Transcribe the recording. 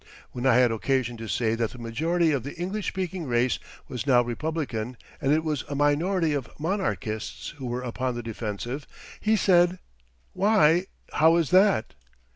When I had occasion to say that the majority of the English speaking race was now republican and it was a minority of monarchists who were upon the defensive, he said: "Why, how is that?"